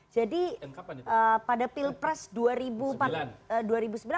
jadi pada pilpres dua ribu sembilan atau dua ribu empat belas ya